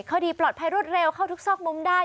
คดีปลอดภัยรวดเร็วเข้าทุกซอกมุมได้